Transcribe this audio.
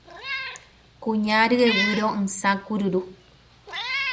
Kuña ryeguy ro'ysã kururu